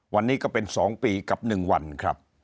วันนี้ก็เป็น๒ปีกับ๑วันครับ